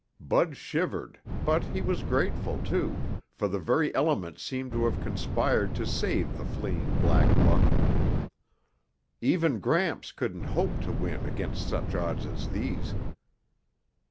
Bud shivered, but he was grateful, too, for the very elements seemed to have conspired to save the fleeing black buck. Even Gramps couldn't hope to win against such odds as these.